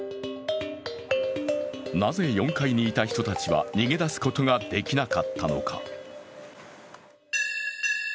なぜ４階にいた人たちは逃げ出すことができなかったのか。